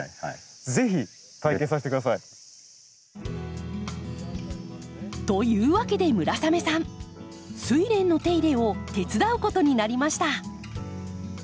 ぜひ体験させてください。というわけで村雨さんスイレンの手入れを手伝うことになりました。